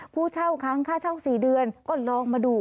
ผู้เช่าค้างค่าเช่า๔เดือนก็ลองมาดู